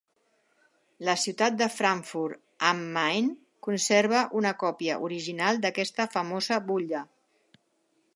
La ciutat de Frankfurt am Main conserva una còpia original d'aquesta famosa butlla.